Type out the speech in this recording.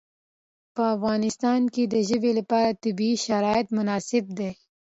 په افغانستان کې د ژبې لپاره طبیعي شرایط مناسب دي.